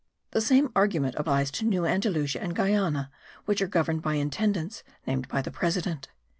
The same argument applies to New Andalusia or Guiana which are governed by intendants named by the president.